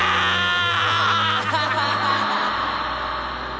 アハハハハ。